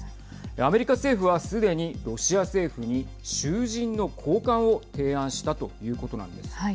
アメリカ政府はすでにロシア政府に囚人の交換を提案したということなんです。